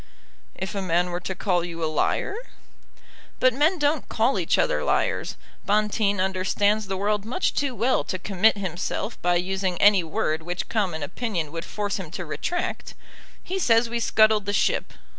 "If a man were to call you a liar?" "But men don't call each other liars. Bonteen understands the world much too well to commit himself by using any word which common opinion would force him to retract. He says we scuttled the ship.